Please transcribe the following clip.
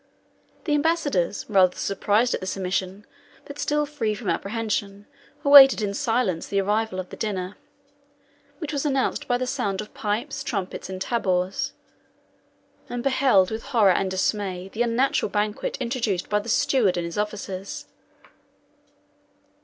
The ambassadors, rather surprised at this omission, but still free from apprehension, awaited in silence the arrival of the dinner, which was announced by the sound of pipes, trumpets, and tabours; and beheld, with horror and dismay, the unnatural banquet introduced by the steward and his officers.